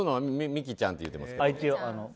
ミキちゃんって言ってます。